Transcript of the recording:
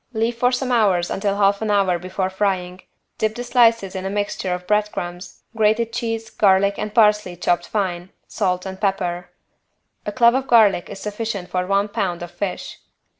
Leave for some hours until half an hour before frying, dip the slices in a mixture of bread crumbs, grated cheese, garlic and parsley chopped fine, salt and pepper. A clove of garlic is sufficient for one pound of fish.